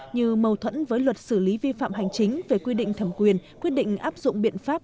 như mâu thuẫn với luật xử lý vi phạm hành chính về quy định thẩm quyền quyết định áp dụng biện pháp